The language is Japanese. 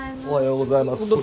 おはようございます。